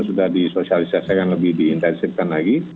sudah disosialisasikan lebih diintensifkan lagi